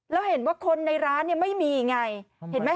เราเห็นว่าคนในร้านมัจะไม่มีอย่างไร